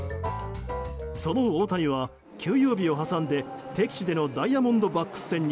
その大谷は休養日を挟んで敵地でのダイヤモンドバックス戦に